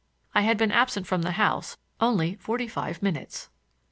I had been absent from the house only forty five minutes.